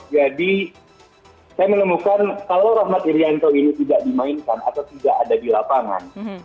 jadi saya menemukan kalau rahmat irianto ini tidak dimainkan atau tidak ada di lapangan